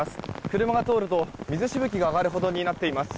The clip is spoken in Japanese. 車が通ると水しぶきが上がるほどになっています。